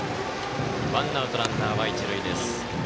ワンアウト、ランナーは一塁です。